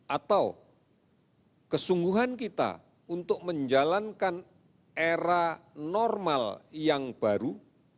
atau kesungguhan kita untuk menjalankan era normal yang baru